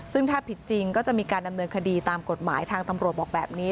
ซึ่งถ้าผิดจริงก็จะมีการดำเนินคดีตามกฎหมายทางตำรวจบอกแบบนี้